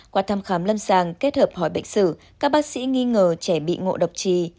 qua thăm khám lâm sàng kết hợp hỏi bệnh sử các bác sĩ nghi ngờ trẻ bị ngộ độc trì